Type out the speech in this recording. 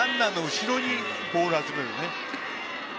後ろにボールを集めろと。